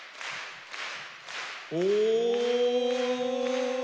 お！